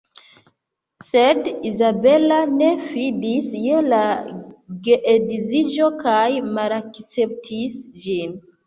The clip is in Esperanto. Sed Izabela ne fidis je la geedziĝo kaj malakceptis ĝin.